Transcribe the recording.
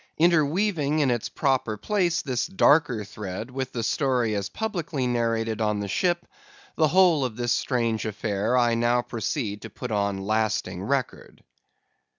Interweaving in its proper place this darker thread with the story as publicly narrated on the ship, the whole of this strange affair I now proceed to put on lasting record.